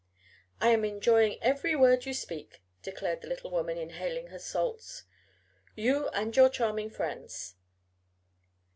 "I am enjoying every word you speak," declared the little woman, inhaling her salts. "You and your charming friends."